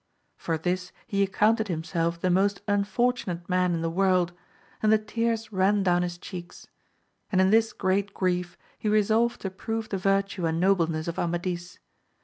For this he accounted himself the most unfortunate man in the world, and the tears ran down his cheeks ; and in this great grief he resolved to prove the virtue and noble ness of Amadis.